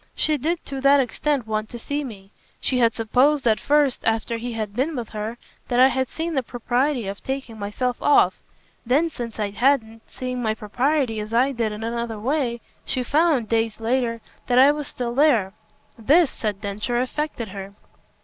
She did to that extent want to see me. She had supposed at first after he had been with her that I had seen the propriety of taking myself off. Then since I hadn't seeing my propriety as I did in another way she found, days later, that I was still there. This," said Densher, "affected her."